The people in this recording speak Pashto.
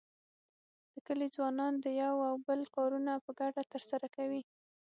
د کلي ځوانان د یو او بل کارونه په ګډه تر سره کوي.